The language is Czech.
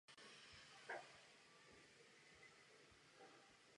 Je nejvyšší vrcholem "Sir Winston Churchill Range".